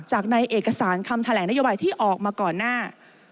ในเอกสารคำแถลงนโยบายที่ออกมาก่อนหน้า